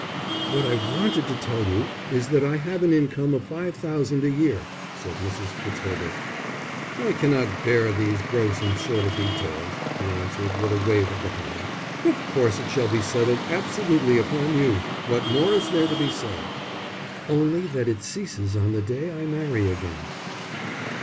"What I wanted to tell you is that I have an income of five thousand a year," said Mrs. Fitzherbert. "I cannot bear these gross and sordid details," he answered, with a wave of the hand. "Of course it shall be settled absolutely upon you. What more is there to be said?" "Only that it ceases on the day I marry again."